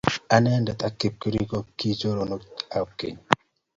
Anendet ak Kipkirui ko ki choronok ap keny.